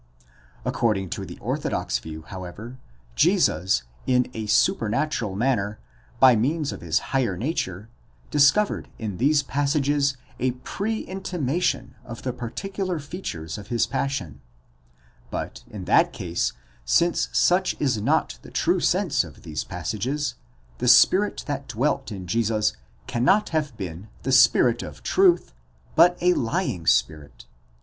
According to the orthodox view, however, Jesus, in a supernatural manner, by means of his higher nature, discovered in these passages a pre intimation of the particular features of his passion; but, in that case, since such is not the true sense of these passages, the spirit that dwelt in Jesus cannot have been the spirit of truth, but a lying spirit.